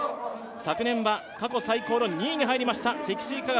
昨年は過去最高の２位に入りました積水化学。